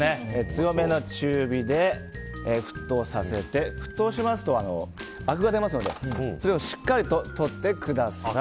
強めの中火で沸騰させて沸騰しますと、あくが出ますのでそれをしっかりと取ってください。